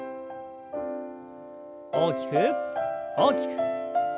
大きく大きく。